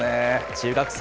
中学生